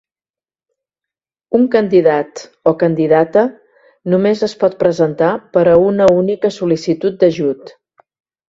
Un candidat o candidata només es pot presentar per a una única sol·licitud d'ajut.